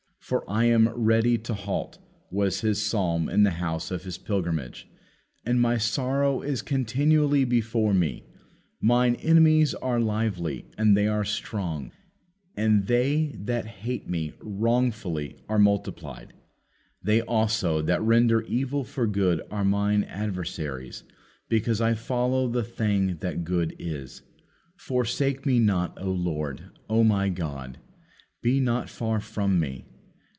"For I am ready to halt," was His psalm in the house of His pilgrimage, "and My sorrow is continually before Me. Mine enemies are lively, and they are strong; and they that hate Me wrongfully are multiplied. They also that render evil for good are Mine adversaries; because I follow the thing that good is. Forsake Me not, O Lord; O My God, be not far from Me.